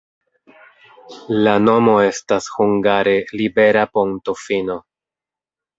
La nomo estas hungare libera-ponto-fino.